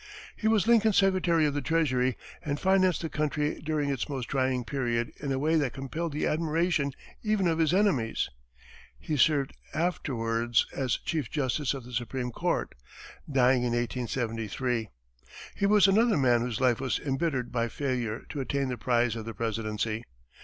He was Lincoln's secretary of the treasury, and financed the country during its most trying period in a way that compelled the admiration even of his enemies. He served afterwards as Chief Justice of the Supreme Court, dying in 1873. He was another man whose life was embittered by failure to attain the prize of the presidency.